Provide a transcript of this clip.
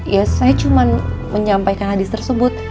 ya saya cuma menyampaikan hadis tersebut